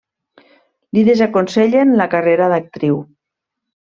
Li desaconsellen la carrera d'actriu.